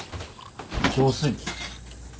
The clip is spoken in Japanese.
浄水器。